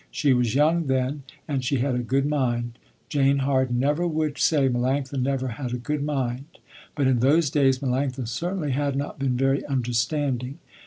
She was young then and she had a good mind. Jane Harden never would say Melanctha never had a good mind, but in those days Melanctha certainly had not been very understanding.